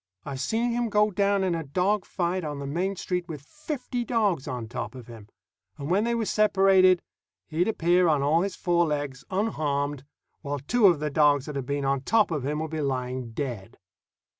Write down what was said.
I've seen him go down in a dog fight on the main street with fifty dogs on top of him, and when they were separated, he'd appear on all his four legs, unharmed, while two of the dogs that had been on top of him would be lying dead.